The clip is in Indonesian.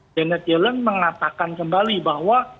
janet yellen mengatakan kembali bahwa